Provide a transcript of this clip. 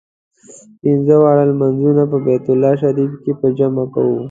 پنځه واړه لمونځونه په بیت الله شریف کې په جمع کوو.